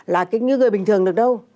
là cái như người bình thường được đâu